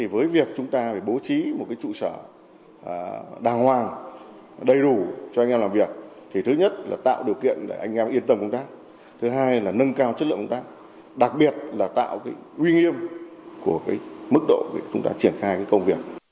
với việc chúng ta phải bố trí một trụ sở đàng hoàng đầy đủ cho anh em làm việc thì thứ nhất là tạo điều kiện để anh em yên tâm công tác thứ hai là nâng cao chất lượng công tác đặc biệt là tạo uy nghiêm của mức độ để chúng ta triển khai công việc